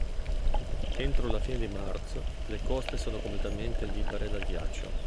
Entro la fine di marzo, le coste sono completamente libere dal ghiaccio.